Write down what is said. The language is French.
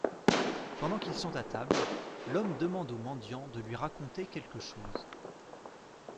Pendant qu'ils sont à table, l'homme demande au mendiant de lui raconter quelque chose.